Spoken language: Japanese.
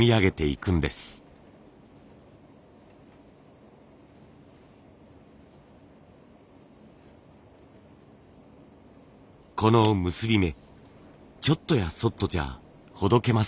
この結び目ちょっとやそっとじゃほどけません。